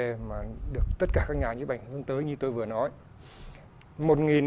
một chủ đề mà được tất cả các nhà nhóm ảnh hướng tới như tôi vừa nói